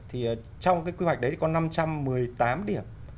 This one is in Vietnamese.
thì trong cái quy hoạch đấy có năm trăm một mươi tám điểm